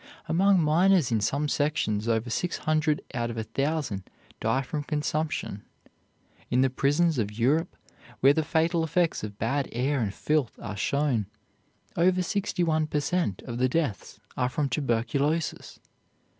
Among miners in some sections over six hundred out of a thousand die from consumption. In the prisons of Europe, where the fatal effects of bad air and filth are shown, over sixty one per cent. of the deaths are from tuberculosis.